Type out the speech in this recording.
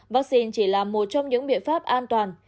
vắc xin chỉ là một trong những biện pháp an toàn